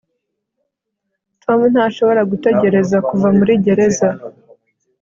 tom ntashobora gutegereza kuva muri gereza